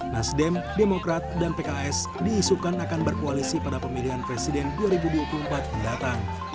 nasdem demokrat dan pks diisukan akan berkoalisi pada pemilihan presiden dua ribu dua puluh empat mendatang